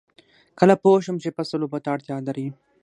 کله پوه شم چې فصل اوبو ته اړتیا لري؟